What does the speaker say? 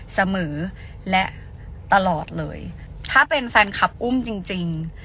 เสมอและตลอดเลยถ้าเป็นแฟนคลับอุ้มจริงจริง